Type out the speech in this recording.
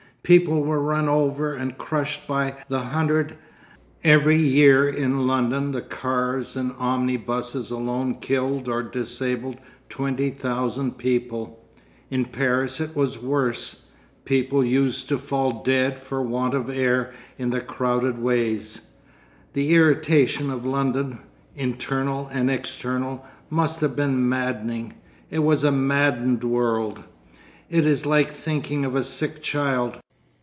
People were run over and crushed by the hundred; every year in London the cars and omnibuses alone killed or disabled twenty thousand people, in Paris it was worse; people used to fall dead for want of air in the crowded ways. The irritation of London, internal and external, must have been maddening. It was a maddened world. It is like thinking of a sick child.